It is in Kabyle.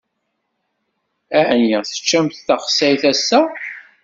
Ɛni teččamt taxsayt ass-a?